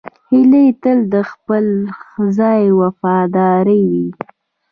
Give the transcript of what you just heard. هیلۍ تل د خپل ځای وفاداره وي